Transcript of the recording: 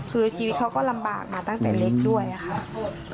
คือชีวิตเขาก็ลำบากมาตั้งแต่เล็กด้วยค่ะ